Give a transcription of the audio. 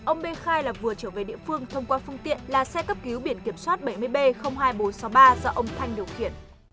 ông b khai là vừa trở về địa phương thông qua phương tiện là xe cấp cứu biển kiểm soát bảy mươi b hai nghìn bốn trăm sáu mươi ba do ông thanh điều khiển